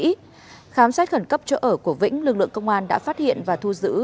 trong giám sát khẩn cấp chỗ ở của vĩnh lực lượng công an đã phát hiện và thu giữ